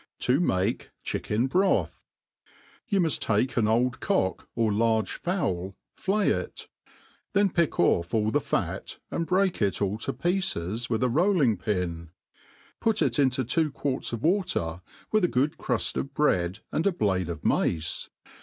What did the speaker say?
7o make Chicken Broth. YOU muft take an old cock or large fowl, flay it; then pick off all the fat, and break it all to pietes with a rolling*pin: put it into two quarts of water, with a good cruft oif bread, and a blade of mace.